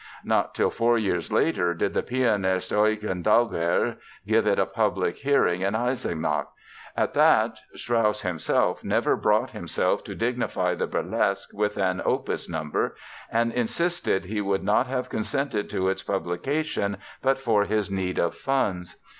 Not till four years later did the pianist, Eugen d'Albert, give it a public hearing in Eisenach; at that, Strauss himself never brought himself to dignify the Burleske with an opus number and insisted he would not have consented to its publication but for his need of funds.